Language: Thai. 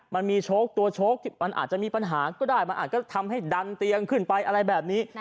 มันมีโชคตัวโชคที่มันอาจจะมีปัญหาก็ได้มันอาจจะทำให้ดันเตียงขึ้นไปอะไรแบบนี้